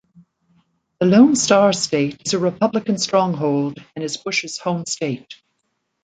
The Lone Star State is a Republican stronghold and is Bush's home state.